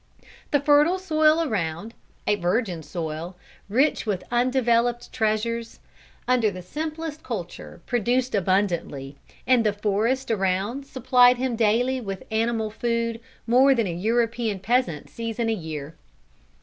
The fertile soil around, a virgin soil, rich with undeveloped treasures, under the simplest culture produced abundantly, and the forest around supplied him daily with animal food more than a European peasant sees in a year.